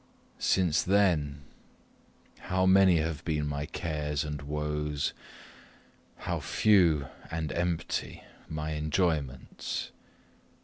Since then how many have been my cares and woes, how few and empty my enjoyments!